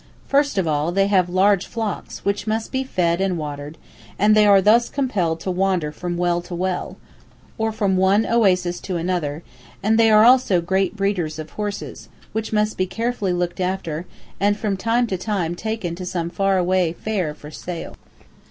First of all, they have large flocks, which must be fed and watered, and they are thus compelled to wander from well to well, or from one oasis to another, and they are also great breeders of horses, which must be carefully looked after, and from time to time taken to some far away fair for sale.